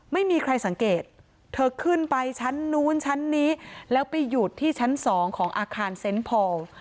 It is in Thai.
ไม่มีใครสังเกตเธอขึ้นไปชั้นนู้นชั้นนี้แล้วไปหยุดที่ชั้นสองของอาคารเซ็นต์พอล